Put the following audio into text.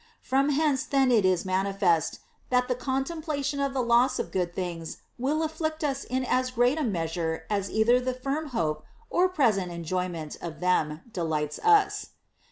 From hence then it is manifest, that the contemplation of the loss of good things will afflict us in as great a measure as either the firm hope or present enjoyment of them delights us.